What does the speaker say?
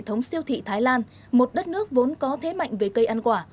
hệ thống siêu thị thái lan một đất nước vốn có thế mạnh về cây ăn quả